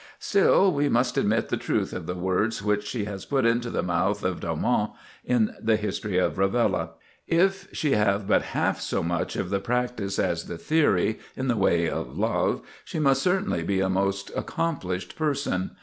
Still we must admit the truth of the words which she has put into the mouth of d'Aumont in the "History of Rivella": "If she have but half so much of the practice as the theory, in the way of love, she must certainly be a most accomplished person."